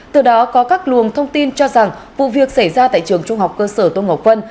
từ đó có các luồng thông tin cho rằng vụ việc xảy ra tại trường trung học cơ sở tôn ngọc vân